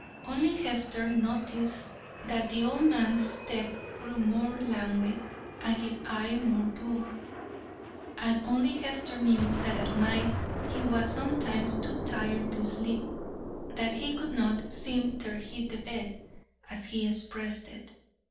Only Hester noticed that the old man's step grew more languid and his eye more dull; and only Hester knew that at night he was sometimes too tired to sleep that he could not "seem ter hit the bed," as he expressed it.